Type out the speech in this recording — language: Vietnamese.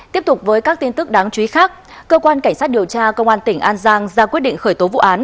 tiếp tục với các tin tức đáng chú ý khác cơ quan cảnh sát điều tra công an tỉnh an giang ra quyết định khởi tố vụ án